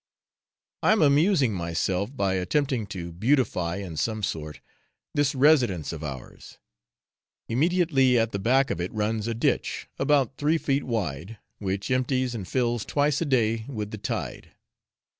I am amusing myself by attempting to beautify, in some sort, this residence of ours. Immediately at the back of it runs a ditch, about three feet wide, which empties and fills twice a day with the tide.